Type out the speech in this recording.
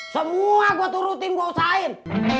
semua gua tuh rutin gua usahain